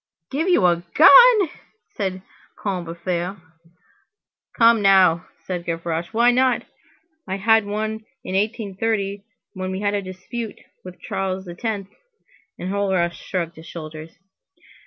"Give you a gun!" said Combeferre. "Come now!" said Gavroche, "why not? I had one in 1830 when we had a dispute with Charles X." Enjolras shrugged his shoulders.